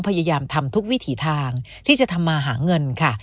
พยายามทำทุกวิถีทางที่จะทำมาหาเงินค่ะ